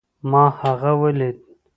ما هغه وليد